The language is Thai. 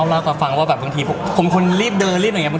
ตัวข้อมันน้อยก็บางทียิ่งพูดก็ไม่เข้าใจกัน